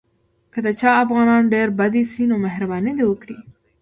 که د چا افغانان ډېر بد ایسي نو مهرباني دې وکړي.